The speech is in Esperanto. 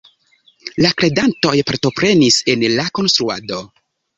La kredantoj partoprenis en la konstruado.